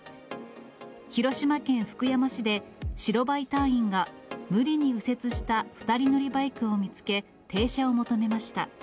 広島県福山市で、白バイ隊員が、無理に右折した２人乗りバイクを見つけ、停車を求めました。